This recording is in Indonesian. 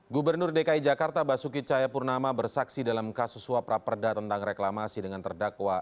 gubernur dki jakarta basuki cahaya purnama bersaksi dalam kasus suapraperda tentang reklamasi dengan terdakwa